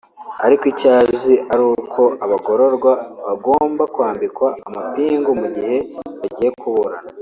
ariko icyo azi ari uko abagororwa bagomba kwambikwa amapingu mu gihe bagiye kuburana